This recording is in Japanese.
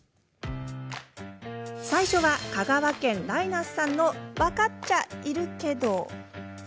最初は、香川県らいなすさんの分かっちゃいるけど。